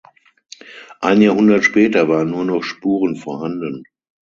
Ein Jahrhundert später waren nur noch Spuren vorhanden.